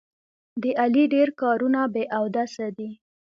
د علي ډېر کارونه بې اودسه دي.